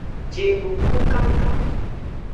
Jinukukankan.